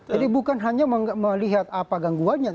jadi bukan hanya melihat apa gangguannya